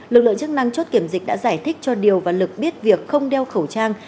lực lượng chức năng chốt kiểm dịch đã giải thích cho điều và lực biết việc không đeo khẩu trang